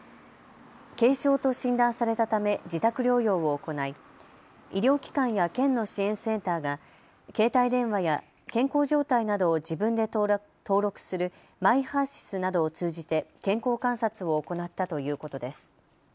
軽症と診断されたため自宅療養を行い医療機関や県の支援センターが携帯電話や健康状態などを自分で登録するＭｙＨＥＲ−ＳＹＳなどを通じて健康観察を行ったということです。